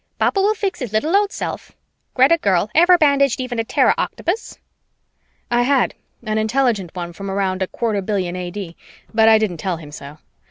Papa will fix his little old self. Greta girl, ever bandaged even a Terra octopus?" I had, an intelligent one from around a quarter billion A.D., but I didn't tell him so.